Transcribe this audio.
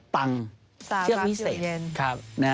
ตังเครื่องพิเศษ